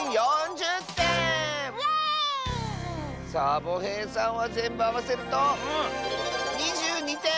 サボへいさんはぜんぶあわせると２２てん！